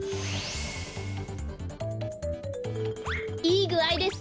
いいぐあいです。